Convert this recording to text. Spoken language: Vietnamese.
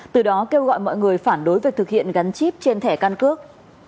từ đó kêu gọi mọi người phản đối việc thực hiện gắn chip trên thẻ căn cước